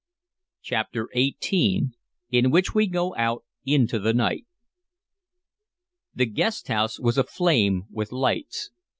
CHAPTER XVIII IN WHICH WE GO OUT INTO THE NIGHT THE guest house was aflame with lights.